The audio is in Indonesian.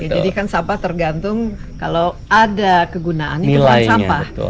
jadi kan sampah tergantung kalau ada kegunaan itu bukan sampah